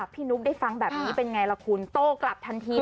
นุ๊กได้ฟังแบบนี้เป็นไงล่ะคุณโต้กลับทันที